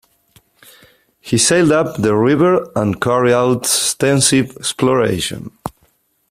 He sailed up the river and carried out extensive exploration.